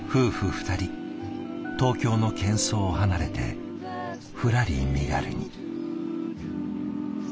二人東京のけん騒を離れてふらり身軽に。